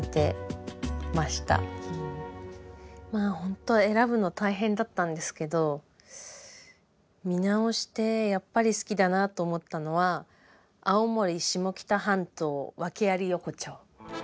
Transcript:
まあほんと選ぶの大変だったんですけど見直してやっぱり好きだなと思ったのは「青森・下北半島“ワケあり”横丁」。